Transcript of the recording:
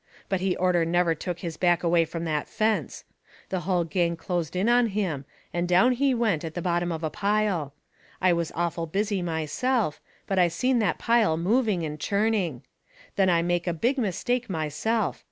But he orter never took his back away from that fence. The hull gang closed in on him, and down he went at the bottom of a pile. I was awful busy myself, but I seen that pile moving and churning. Then I made a big mistake myself.